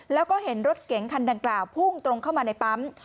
แล้วก็เห็นรถเก๋งคันดังกล่าวพุ่งตรงเข้ามาในปั๊ม